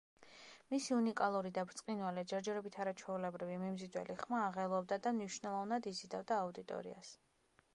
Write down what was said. მისი უნიკალური და ბრწყინვალე, ჯერჯერობით არაჩვეულებრივი, მიმზიდველი ხმა აღელვებდა და მნიშვნელოვნად იზიდავდა აუდიტორიას.